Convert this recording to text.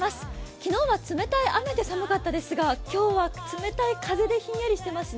昨日は冷たい雨で寒かったですが今日は冷たい風でひんやりしていますね。